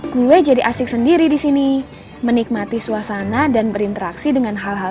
gue jadi asyik sendiri disini menikmati suasana dan berinteraksi dengan hal hal